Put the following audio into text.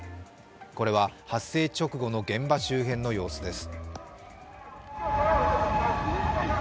これは発生直後の現場周辺の様子です。